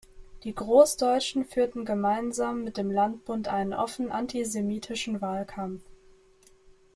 Die Großdeutschen führten gemeinsam mit dem Landbund einen offen antisemitischen Wahlkampf.